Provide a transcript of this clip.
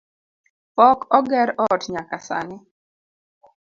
Pok oger ot nyaka sani